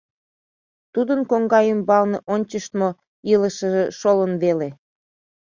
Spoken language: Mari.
Тудын коҥга ӱмбалне ончыштмо илышыже шолын веле.